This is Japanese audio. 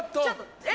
え！